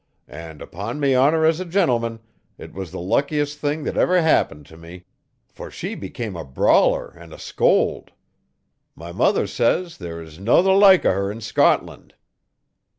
And, upon me honour as a gentleman, it was the luckiest thing that ever happened to me, for she became a brawler and a scold. My mother says there is "no the like o' her in Scotland".